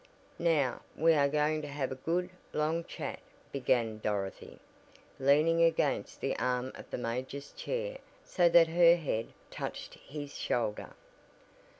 "Now, we are going to have a good, long chat," began Dorothy, leaning against the arm of the major's chair so that her head touched his shoulder.